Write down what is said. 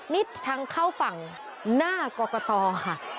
นี่ทางเข้าฝั่งหน้ากรกตค่ะ